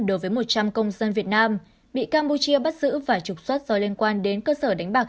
đối với một trăm linh công dân việt nam bị campuchia bắt giữ và trục xuất do liên quan đến cơ sở đánh bạc